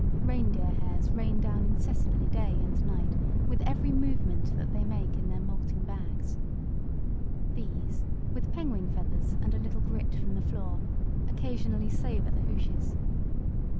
Reindeer hairs rain down incessantly day and night, with every movement that they make in their moulting bags. These, with penguin feathers and a little grit from the floor, occasionally savour the hooshes.